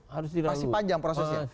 harus dilalui masih panjang prosesnya